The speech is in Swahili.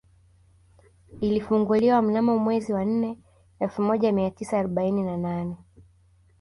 Ilifunguliwa mnamo mwezi wa nne elfu moja mia tisa arobaini na nane